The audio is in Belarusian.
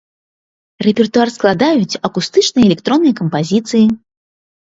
Рэпертуар складаюць акустычныя і электронныя кампазіцыі.